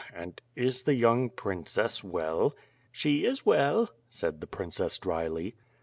And is the young princess well?" "She is well," said the princess dryly.